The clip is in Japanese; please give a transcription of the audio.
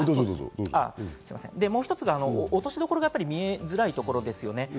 もう一つが落としどころが見えづらいところですね。